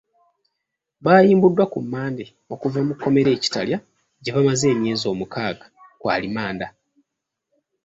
Baayimbuddwa Ku Mmande, okuva mu kkomera e Kitalya gye bamaze emyezi omukaaga ku alimanda.